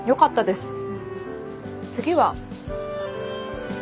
次は？